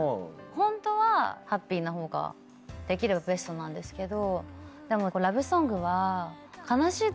ホントはハッピーなほうができればベストなんですけどでも。